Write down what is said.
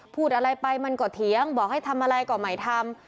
พูดอะไรไปมันก็เถียงบอกให้ทำอะไรก็ไม่ทำ